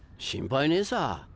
心配ねえさ